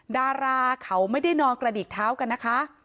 ดาราเขาไม่ได้นอนกระดิกเท้ากันนะคะ